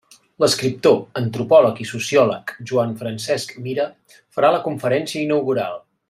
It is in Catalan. L'escriptor, antropòleg i sociòleg Joan Francesc Mira farà la conferència inaugural.